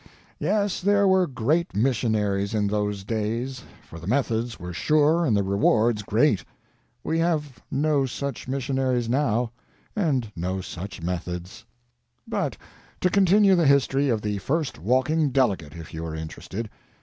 Yes, there were great missionaries in those days, for the methods were sure and the rewards great. We have no such missionaries now, and no such methods. But to continue the history of the first walking delegate, if you are interested.